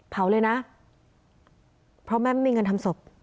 เผาเลยนะเพราะแม่ไม่มีเงินทำศพ